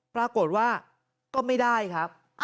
ปรากฏว่าก็ไม่ได้ครับ